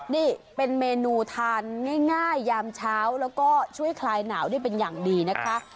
นี่เป็นเมนูทานง่ายยามเช้าแล้วก็ช่วยคลายหนาวได้เป็นอย่างดีนะคะ